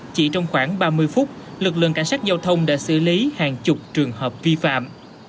chỉ trong khoảng ba mươi phút lực lượng cảnh sát giao thông đã xử lý hàng chục trường hợp vi phạm